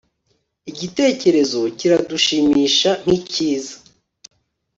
Igitekerezo kiradushimisha nkicyiza